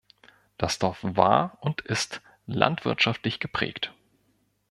Das Dorf war und ist landwirtschaftlich geprägt.